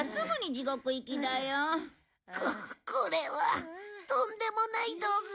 ここれはとんでもない道具だ。